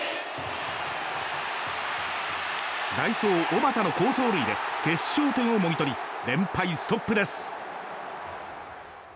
代走、小幡の好走塁で決勝点をもぎ取り連敗ストップです。